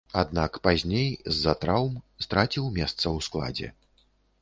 Аднак, пазней з-за траўм страціў месца ў складзе.